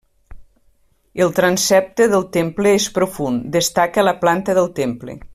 El transsepte del temple és profund, destaca la planta del temple.